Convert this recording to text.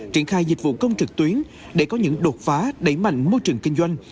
triển khai dịch vụ công trực tuyến để có những đột phá đẩy mạnh môi trường kinh doanh